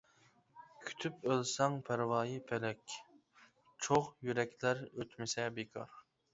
كۈتۈپ ئۆلسەڭ پەرۋايى پەلەك، چوغ يۈرەكلەر ئۆچمىسە بىكار.